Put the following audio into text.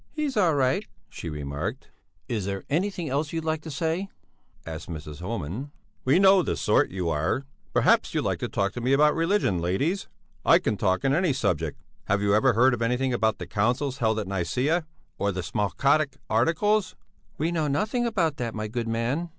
"He's all right," she remarked. "Is there anything else you'd like to say?" asked Mrs. Homan. "We know the sort you are! Perhaps you'd like to talk to me about religion, ladies? I can talk on any subject. Have you ever heard anything about the councils held at Nicæa, or the Smalcaldic Articles?" "We know nothing about that, my good man."